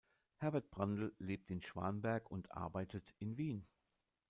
Herbert Brandl lebt in Schwanberg und arbeitet in Wien.